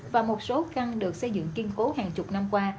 và một số căn được xây dựng kiên cố hàng chục năm qua